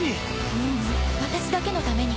ううん私だけのために。